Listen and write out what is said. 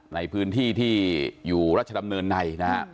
ในพื้นที่ที่อยู่รัชดำเนินในนะฮะ